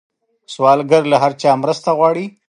سوالګر له هر چا مرسته غواړي